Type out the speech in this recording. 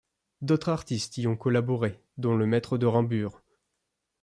D'autres artistes y ont collaboré, dont le Maître de Rambures.